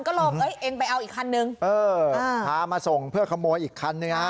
ก็ลองเอ้ยเองไปเอาอีกคันนึงเออพามาส่งเพื่อขโมยอีกคันนึงฮะ